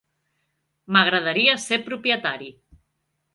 M'agradaria ser propietari.